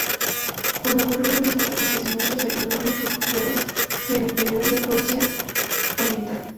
Cuando ocurrieron esos acontecimientos ayudó a los refugiados del interior de Prusia Oriental.